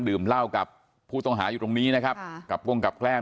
ดื่มเหล้ากับผู้ต้องหาอยู่ตรงนี้นะครับกับวงกับแกล้ม